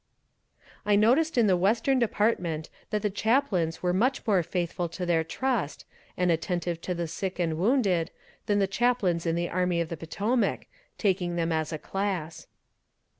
I noticed in the Western department that the chaplains were much more faithful to their trust, and attentive to the sick and wounded, than the chaplains in the Army of the Potomac taking them as a class.